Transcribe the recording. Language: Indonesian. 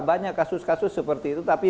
banyak kasus kasus seperti itu tapi